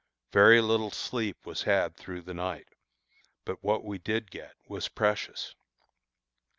Very little sleep was had through the night, but what we did get was precious.